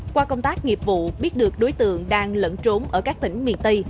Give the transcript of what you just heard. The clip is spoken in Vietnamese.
qua công tác nghiệp vụ biết được đối tượng đang lẫn trốn ở các tỉnh miền tây